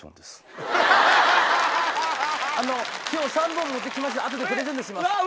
今日３本持って来ました後でプレゼントします。